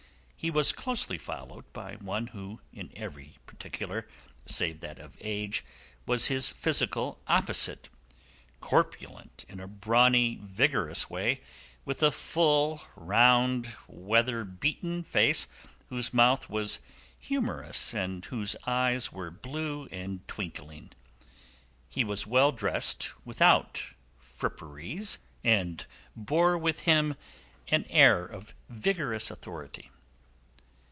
He was closely followed by one who in every particular, save that of age, was his physical opposite, corpulent in a brawny, vigorous way, with a full, round, weather beaten face whose mouth was humourous and whose eyes were blue and twinkling. He was well dressed without fripperies, and bore with him an air of vigorous authority.